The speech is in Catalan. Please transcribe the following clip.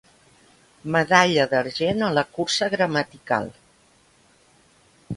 Medalla d'argent a la cursa gramatical.